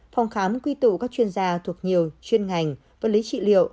phòng khám quy tụ các chuyên gia thuộc nhiều chuyên ngành vật lý trị liệu